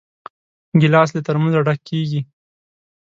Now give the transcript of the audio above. ګیلاس له ترموزه ډک کېږي.